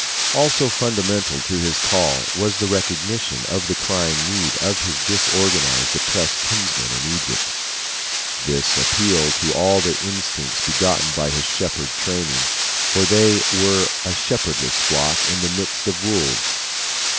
Also fundamental to his call was the recognition of the crying need of his disorganized, oppressed kinsmen in Egypt. This appealed to all the instincts begotten by his shepherd training; for they were a shepherdless flock in the midst of wolves.